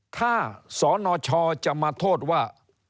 ถ้าสนชจะมาโทษว่า